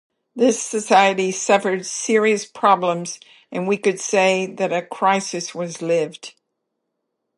This society suffered serious problems and we could say that a crisis was lived.